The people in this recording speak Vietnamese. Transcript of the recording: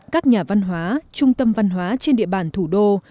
các nhà văn hóa trung tâm văn hóa trên địa bàn thủ đô